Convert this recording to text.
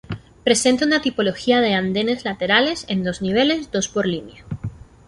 Presenta una tipología de andenes laterales, en dos niveles, dos por línea.